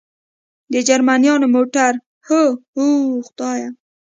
د جرمنیانو موټر؟ هو، اوه خدایه.